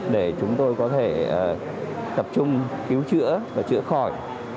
để chúng tôi có thể tập trung cứu chữa và chữa khỏi